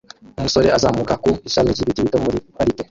Umusore azamuka ku ishami ryibiti bito muri parike